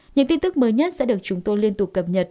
những tin tức mới nhất sẽ được chúng tôi liên tục cập nhật